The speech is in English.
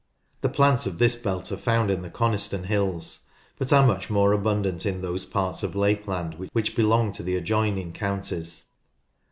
The plants of this belt are found in the Coniston hills, but are much more abundant in those parts of Lakeland which belong to the adjoining counties.